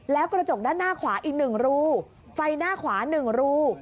แล้วกระจกด้านหน้าขวาอีก๑รูไฟหน้าขวา๑รู